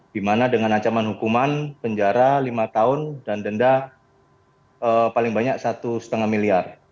dimana dengan ancaman hukuman penjara lima tahun dan denda paling banyak satu lima miliar